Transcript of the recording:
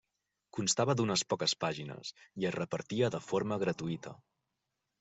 Constava d'unes poques pàgines i es repartia de forma gratuïta.